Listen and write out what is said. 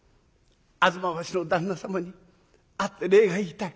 吾妻橋の旦那様に会って礼が言いたい。